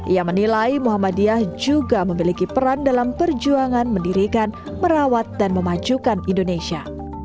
ia menilai muhammadiyah juga memiliki peran dalam perjuangan mendirikan merawat dan memajukan indonesia